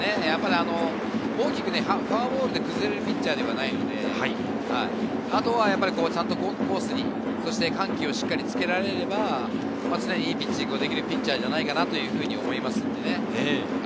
大きくフォアボールで崩れるピッチャーではないので、あとはちゃんとコースに、そして緩急をつけられれば常にいいピッチングができるピッチャーではないかなと思います。